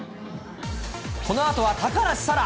このあとは高梨沙羅。